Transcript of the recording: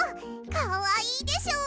かわいいでしょ。